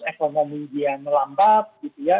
ekonomi dia melambat gitu ya